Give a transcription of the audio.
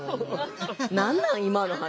何なん今の話。